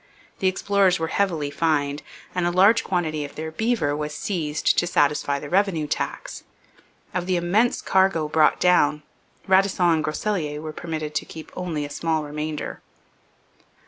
The explorers were heavily fined, and a large quantity of their beaver was seized to satisfy the revenue tax. Of the immense cargo brought down, Radisson and Groseilliers were permitted to keep only a small remainder.